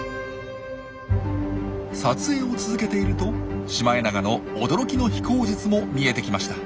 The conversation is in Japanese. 撮影を続けているとシマエナガの驚きの飛行術も見えてきました。